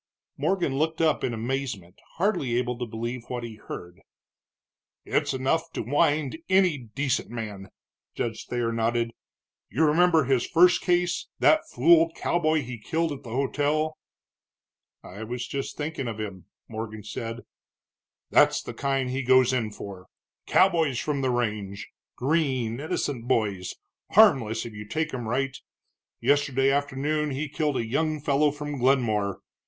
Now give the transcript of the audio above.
Morgan looked up in amazement, hardly able to believe what he heard. "It's enough to wind any decent man," Judge Thayer nodded. "You remember his first case that fool cowboy he killed at the hotel?" "I was just thinking of him," Morgan said. "That's the kind he goes in for, cowboys from the range, green, innocent boys, harmless if you take 'em right. Yesterday afternoon he killed a young fellow from Glenmore.